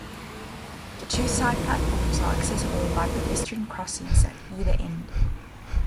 The two Side platforms are accessible by pedestrian crossings at either end.